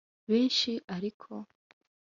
Benshi ariko